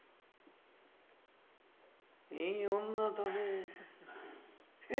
「いい女だねえ。えっ」。